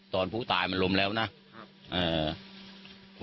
ตอนผู้ตายมันล้มแล้วนะครับ